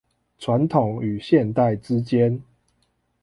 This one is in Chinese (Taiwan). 傳統與現代之間